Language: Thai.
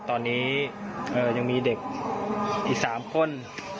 ตอนนี้ยังมีเด็กอีก๓คน